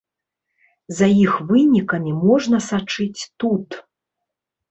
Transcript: За іх вынікамі можна сачыць тут.